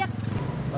oh pak sofyan